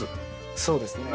そうですね。